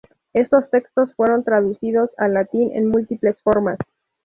Estos textos fueron traducidos al latín en múltiples formas.